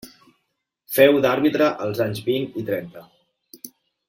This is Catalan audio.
Féu d'àrbitre als anys vint i trenta.